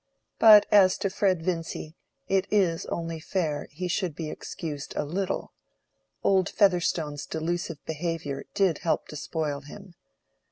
But as to Fred Vincy, it is only fair he should be excused a little: old Featherstone's delusive behavior did help to spoil him.